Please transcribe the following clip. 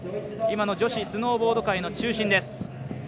今の女子スノーボード界の中心です。